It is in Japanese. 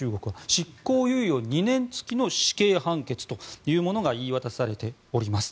執行猶予２年付きの死刑判決というものが言い渡されております。